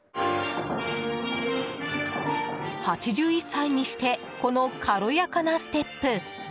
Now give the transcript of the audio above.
８１歳にしてこの軽やかなステップ。